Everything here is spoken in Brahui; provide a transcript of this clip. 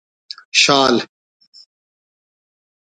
شال